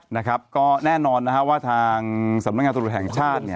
นะครับก็แน่นอนนะฮะว่าทางสำนักงานตรวจแห่งชาติเนี่ย